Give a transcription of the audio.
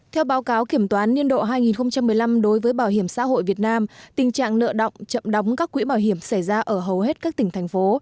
theo báo cáo kiểm toán niên độ hai nghìn một mươi năm đối với bảo hiểm xã hội việt nam tình trạng nợ động chậm đóng các quỹ bảo hiểm xảy ra ở hầu hết các tỉnh thành phố